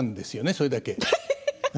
それだけ。